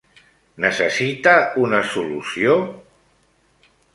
Necessita una solució?